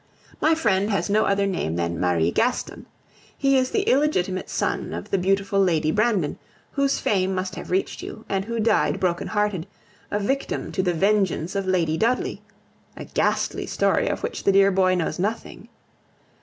My friend has no other name than Marie Gaston. He is the illegitimate son of the beautiful Lady Brandon, whose fame must have reached you, and who died broken hearted, a victim to the vengeance of Lady Dudley a ghastly story of which the dear boy knows nothing.